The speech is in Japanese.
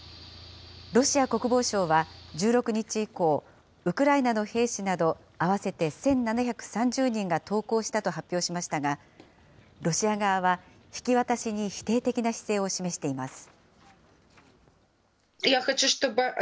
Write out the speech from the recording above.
ロシア国防省は１６日以降、ウクライナの兵士など、合わせて１７３０人が投降したと発表しましたが、ロシア側は、引き渡しに否定的な姿勢を示しています。